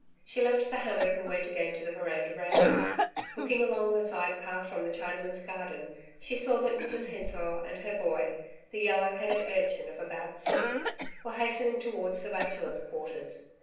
She left the hammock and went again to the veranda railing. Looking along a side path from the Chinaman's garden she saw that Mrs Hensor and her boy the yellow headed urchin of about six were hastening towards the Bachelors' Quarters.